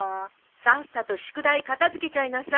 さっさと宿題片付けちゃいなさい。